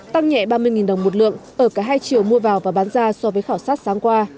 tăng nhẹ ba mươi đồng một lượng ở cả hai triệu mua vào và bán ra so với khảo sát sáng qua